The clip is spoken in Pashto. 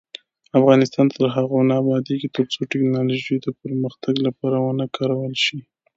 افغانستان تر هغو نه ابادیږي، ترڅو ټیکنالوژي د پرمختګ لپاره ونه کارول شي.